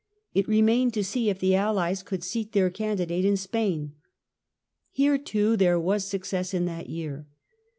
It remained to see if the allies could seat their candidate in Spain. Here, too, there was success in that year.